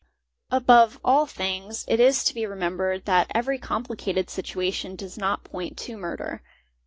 Above all things it is to be remembered that every complicated situ ation does not point to murder.